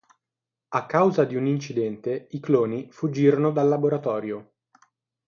A causa di un incidente, i cloni fuggirono dal laboratorio.